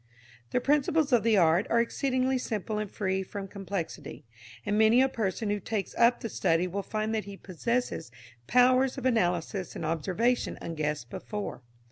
The principles of the art are exceedingly simple and free from complexity, and many a person who takes up the study will find that he possesses powers of analysis and observation unguessed before.